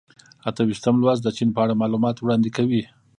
اته ویشتم لوست د چین په اړه معلومات وړاندې کوي.